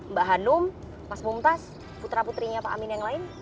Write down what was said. mbak hanum mas mumtaz putra putrinya pak amin yang lain